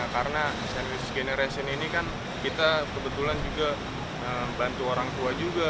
karena generation ini kan kita kebetulan juga bantu orang tua juga